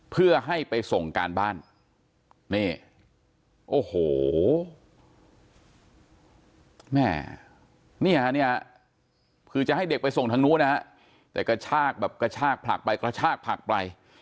เพื่อให้ไปส่งการบ้านโอ้โหแม่คือจะให้เด็กไปส่งทางนู้นแต่กระชากผลักไปกระชากผลักไป